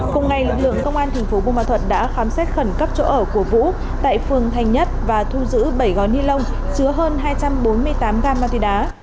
cùng ngày lực lượng công an thành phố bù ma thuật đã khám xét khẩn cấp chỗ ở của vũ tại phường thành nhất và thu giữ bảy gói ni lông chứa hơn hai trăm bốn mươi tám gam ma túy đá